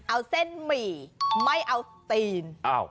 เอาเส้นหมี่ไม่เอาตีน